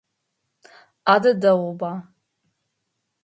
Адэ дэгъуба.